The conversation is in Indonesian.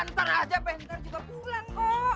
ntar aja be ntar juga pulang kok